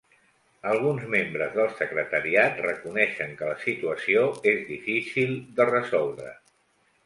Alguns membres del secretariat reconeixen que la situació és difícil de resoldre.